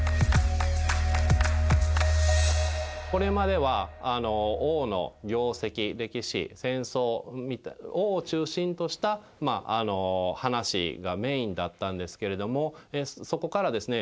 これまでは王の業績歴史戦争王を中心とした話がメインだったんですけれどもそこからですね